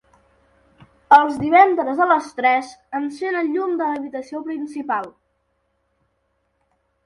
Els divendres a les tres encèn el llum de l'habitació principal.